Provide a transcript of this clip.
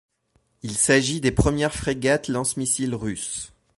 Il s'agit des premières frégates lance-missiles russes.